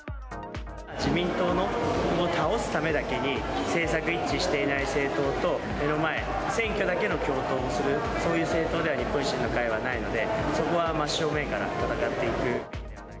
自民党を倒すためだけに、政策一致していない政党と目の前、選挙だけの共闘をする、そういう政党では日本維新の会はないので、そこは真っ正面から戦っていく。